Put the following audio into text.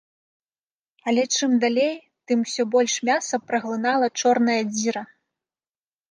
Але чым далей, тым усё больш мяса паглынала чорная дзіра.